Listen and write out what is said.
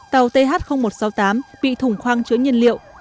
tàu th một trăm sáu mươi tám bị thủng khoang chứa nhiên liệu